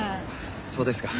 そうですか。